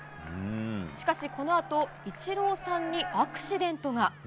しかし、このあとイチローさんにアクシデントが。